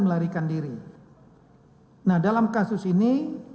nah dalam kasus ini